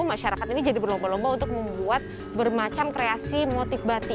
masyarakat ini jadi berlomba lomba untuk membuat bermacam kreasi motif batik